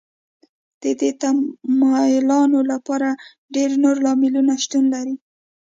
د دې تمایلاتو لپاره ډېری نور لاملونو شتون لري